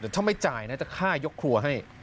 ถ้าไม่จ่ายนะจะฆ่ายกครัวให้